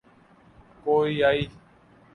کوریائی